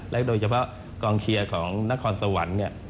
โดยเฉพาะกองเชียร์ของนครสวรรค์เนี่ย